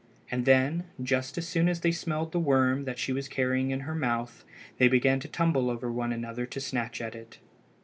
And then, just as soon as they smelled the worm that she was carrying in her mouth, they began to tumble over one another to snatch at it.